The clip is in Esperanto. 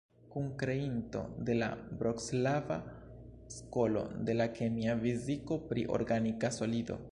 Kunkreinto de la vroclava skolo de la kemia fiziko pri organika solido.